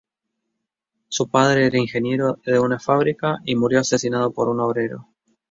Su padre era ingeniero de una fábrica y murió asesinado por un obrero.